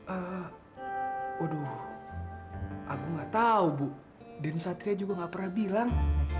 eh aduh agung nggak tahu bu dan satria juga nggak pernah bilang